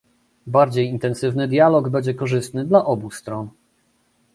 Bardziej intensywny dialog będzie korzystny dla obu stron